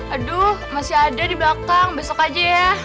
aduh masih ada di belakang besok aja ya